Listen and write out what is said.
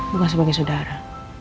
bukan sebagai saudara